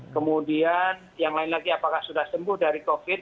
kemudian yang lain lagi apakah sudah sembuh dari covid